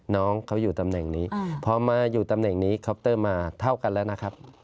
น้องเขาอยู่ตำแหน่งนี้พอมาอยู่ตำแหน่งนี้คอปเตอร์มาเท่ากันแล้วนะครับ